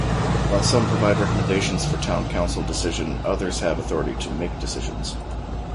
While some provide recommendations for town council decision, others have authority to make decisions.